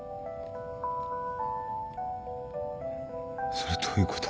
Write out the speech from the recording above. それどういうこと？